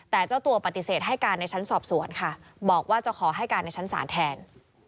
แต่เจ้าตัวปฏิเสธให้การในชั้นสอบสวนค่ะบอกว่าจะขอให้การในชั้นศาลแทน